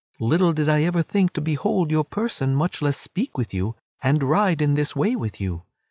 Little did I ever think to behold your person, much less speak with you, and ride in this way with you.